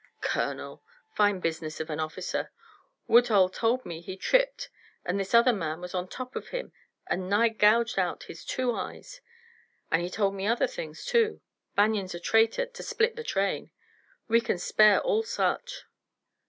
"Colonel! Fine business for an officer! Woodhull told me he tripped and this other man was on top of him and nigh gouged out his two eyes. And he told me other things too. Banion's a traitor, to split the train. We can spare all such."